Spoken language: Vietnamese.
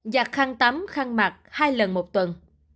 giặt khăn tắm khăn mặt hai lần một tuần